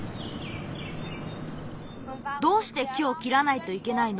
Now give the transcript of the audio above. どうして木をきらないといけないの？